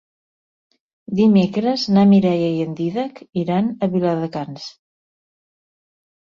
Dimecres na Mireia i en Dídac iran a Viladecans.